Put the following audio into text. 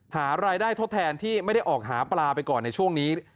หารายได้ทดแทนที่ไม่ได้ออกหาปลาไปก่อนในช่วงนี้